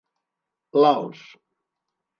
Laos.